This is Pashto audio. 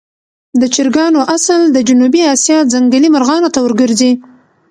د چرګانو اصل د جنوبي آسیا ځنګلي مرغانو ته ورګرځي.